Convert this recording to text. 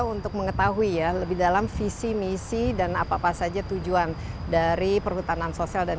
untuk mengetahui ya lebih dalam visi misi dan apa apa saja tujuan dari perhutanan sosial dan